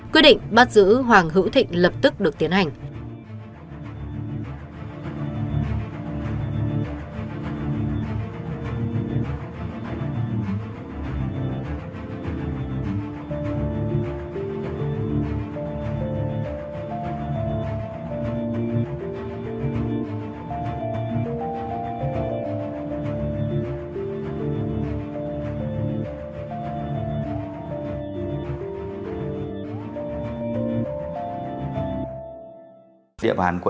quyết định bắt giữ hoàng hữu thịnh lập tức được tiến hành